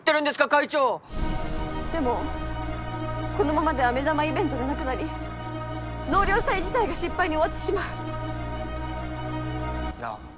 会長でもこのままでは目玉イベントがなくなり納涼祭自体が失敗に終わってしまうなあ